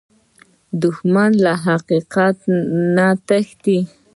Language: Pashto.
دښمن له حقیقت نه تښتي